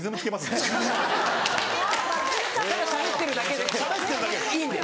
ただしゃべってるだけでいいんで。